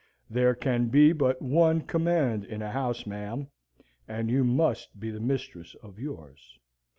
There can be but one command in a house, ma'am, and you must be the mistress of yours.'"